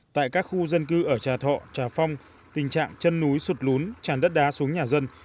tại các khu dân cư ở trà thọ trà phong tình trạng chân núi sụt lún tràn đất đá xuống nhà dân